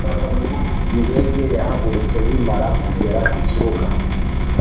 Indege yahagurutse nkimara kugera ku kibuga.